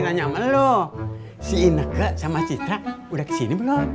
nanya lo si inek sama kita udah kesini belum